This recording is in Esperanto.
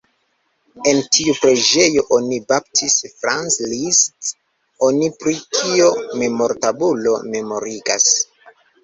En tiu preĝejo oni baptis Franz Liszt-on, pri kio memortabulo memorigas.